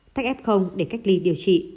thách f để cách ly điều trị